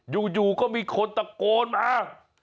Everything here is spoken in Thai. อยู่ก็มีคนตะโกนมา